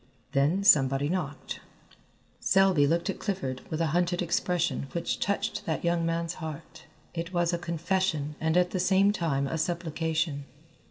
Then somebody knocked. Selby looked at Clifford with a hunted expression which touched that young man's heart. It was a confession and at the same time a supplication.